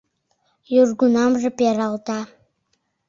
Южгунамже пералта